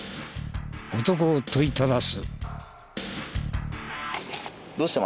男を問いただす。